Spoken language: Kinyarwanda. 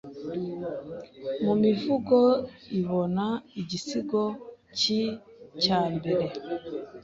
mumivugo ibona igisigo nkicyambere